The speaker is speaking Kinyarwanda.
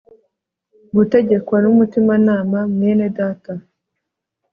gutegekwa nu mutimanama Mwenedata